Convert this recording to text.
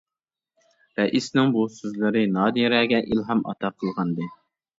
رەئىسنىڭ بۇ سۆزلىرى نادىرەگە ئىلھام ئاتا قىلغانىدى.